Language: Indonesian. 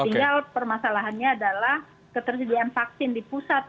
tinggal permasalahannya adalah ketersediaan vaksin di pusat